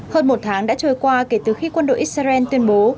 hơn một tháng đã trôi qua kể từ khi quân đội israel tuyên bố